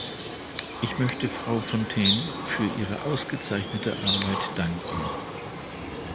Ich möchte Frau Fontaine für ihre ausgezeichnete Arbeit danken.